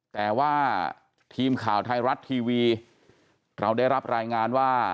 แต่ว่าทีมข่าวไทยรัฐทีวีเราได้รับรายงานว่า